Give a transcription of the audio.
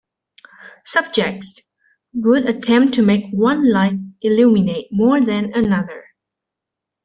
Subjects would attempt to make one light illuminate more than another.